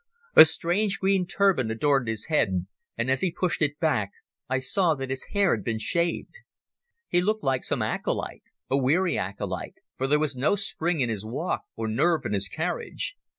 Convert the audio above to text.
A strange green turban adorned his head, and as he pushed it back I saw that his hair had been shaved. He looked like some acolyte—a weary acolyte, for there was no spring in his walk or nerve in his carriage.